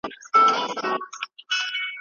بدګوماني به پیدا سي.